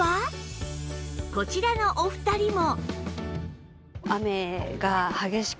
こちらのお二人も